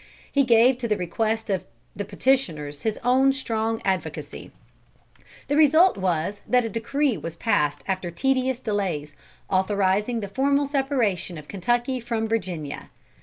He gave to the request of the petitioners his own strong advocacy. The result was, that a decree was passed after tedious delays, authorising the formal separation of Kentucky from Virginia.